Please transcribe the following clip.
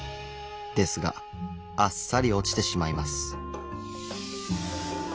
ですがあっさり落ちてしまいます。